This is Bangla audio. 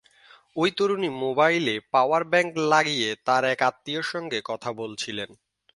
ওই তরুণী মোবাইলে পাওয়ার ব্যাংক লাগিয়ে তাঁর এক আত্মীয়ের সঙ্গে কথা বলছিলেন।